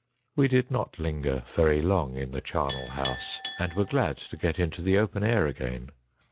We did not linger very long in the charnel house, and were glad to get into the open air again.